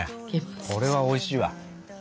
これはおいしいわ。